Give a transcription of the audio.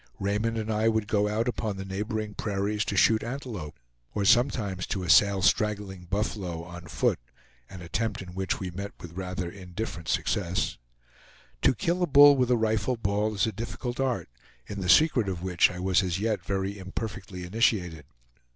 Raymond and I would go out upon the neighboring prairies to shoot antelope, or sometimes to assail straggling buffalo, on foot, an attempt in which we met with rather indifferent success. To kill a bull with a rifle ball is a difficult art, in the secret of which I was as yet very imperfectly initiated.